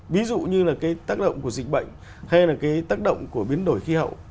ví dụ như là cái tác động của dịch bệnh hay là cái tác động của biến đổi khí hậu